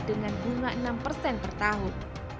dengan bunga enam persen per tahun